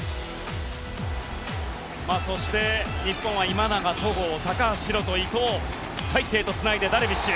そして、日本は今永、戸郷、高橋宏斗、伊藤大勢とつないでダルビッシュ。